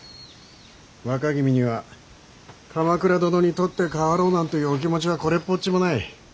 若君には鎌倉殿に取って代わろうなんていうお気持ちはこれっぽっちもない。